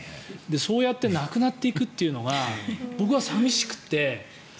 そうやってなくなっていくというのが僕はさみしくて。